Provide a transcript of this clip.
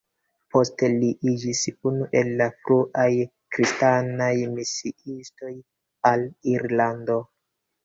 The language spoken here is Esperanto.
Poste li iĝis unu el la fruaj kristanaj misiistoj al Irlando.